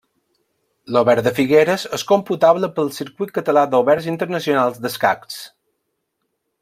L'Obert de Figueres és computable pel Circuit Català d'Oberts Internacionals d'Escacs.